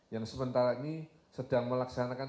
yang sementara ini sedang melaksanakan